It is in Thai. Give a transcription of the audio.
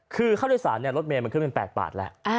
คือค่าโดยศาลจะขึ้นรถเมเป็น๘บาท